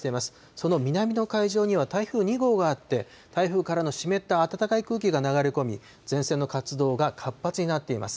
その南の海上には、台風２号があって、台風からの湿った暖かい空気が流れ込み、前線の活動が活発になっています。